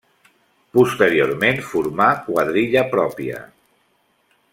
Posteriorment formà quadrilla pròpia.